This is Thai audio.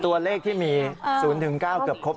๑๐ตัวเลขที่มี๐๙ก็เกือบครบละ